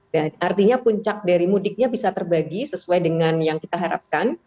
dan artinya puncak dari mudiknya bisa terbagi sesuai dengan yang kita harapkan